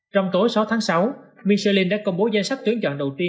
trong tối sáu tháng sáu michelin đã công bố danh sách tuyến chọn đầu tiên